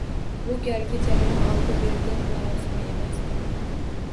Bu galgi jarayon oldi-berdi marosimi emasdi